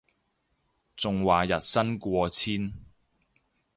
仲話日薪過千